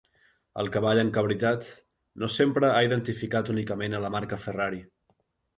El cavall encabritat no sempre ha identificat únicament a la marca Ferrari.